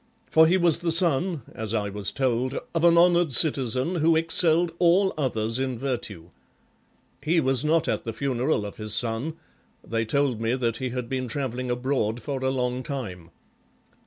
For he was the son, as 1 was told, of an honoured citizen who excelled all others in virtue; he was not at the funeral of his son; they told me that he had been travelling abroad for a long time."